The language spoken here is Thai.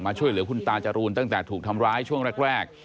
ช่วยเหลือคุณตาจรูนตั้งแต่ถูกทำร้ายช่วงแรก